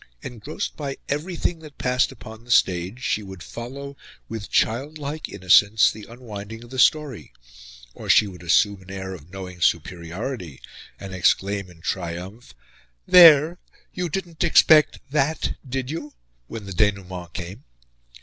Engrossed by everything that passed upon the stage she would follow, with childlike innocence, the unwinding of the story; or she would assume an air of knowing superiority and exclaim in triumph, "There! You didn't expect that, did you?" when the denouement came.